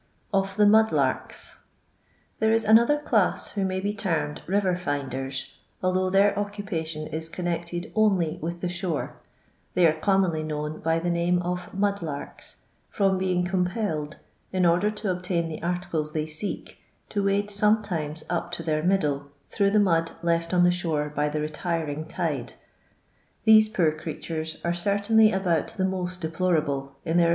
Of thb Mud Labks. Tbkbs ii another chiss who may be termed river fioderi, although their occupation is connected only with the shore ; they are commonly known by the name of " mud larks,'' from being compelled, in order to obtain the arilcles they seek, to wade sometimes up to their middle through the mud left on the shore by the retiring tide. These poor creatures are certainly about the most deplorable in their.